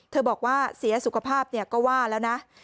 บอกว่าเสียสุขภาพก็ว่าแล้วนะ